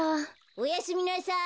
・おやすみなさい！